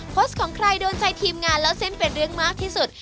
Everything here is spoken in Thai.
โพสต์ของใครโดนใจทีมงานเล่าเส้นเป็นเรื่องมากที่สุด